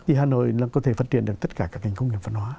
thì hà nội có thể phát triển được tất cả các ngành công nghiệp văn hóa